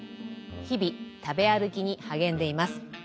日々食べ歩きに励んでいます。